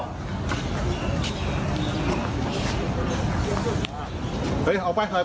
อุ๊ยออกไปใจเย็นครับใจเย็นครับ